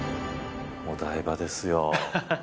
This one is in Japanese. お台場ですよ。